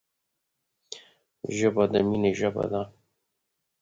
ژبه د مینې ژبه ده